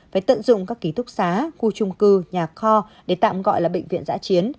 phải tận dụng các ký túc xá khu trung cư nhà kho để tạm gọi là bệnh viện giã chiến